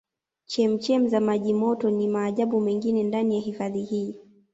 Chemchem za maji moto ni maajabu mengine ndani ya hifadhi hii